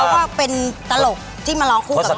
เขาก็เป็นตลกที่มาร้องคู่กับยุ้ย